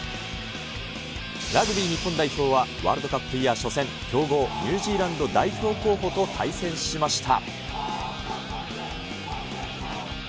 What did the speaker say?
ラグビー日本代表はワールドカップイヤー初戦、強豪、ニュージーランド代表候補と対戦しました。